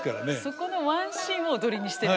そこのワンシーンを踊りにしてるんですか。